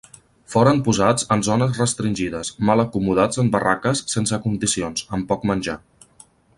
Foren posats en zones restringides, mal acomodats en barraques sense condicions, amb poc menjar.